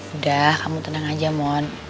udah kamu tenang aja mohon